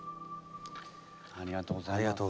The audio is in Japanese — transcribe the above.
ありがとうございます。